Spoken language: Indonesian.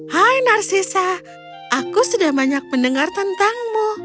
hai narcisa aku sudah banyak mendengar tentangmu